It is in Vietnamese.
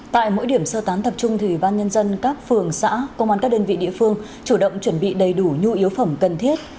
tại mỗi điểm sơ tán tập trung thì ủy ban nhân dân các phường xã công an các đơn vị địa phương chủ động chuẩn bị đầy đủ nhu yếu phẩm cần thiết